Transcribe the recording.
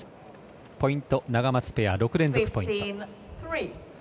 ポイント、ナガマツペア６連続ポイント。